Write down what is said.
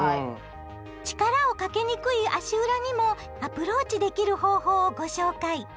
力をかけにくい足裏にもアプローチできる方法をご紹介！